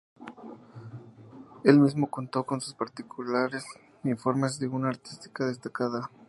El mismo contó con particulares informes de una artística destacada.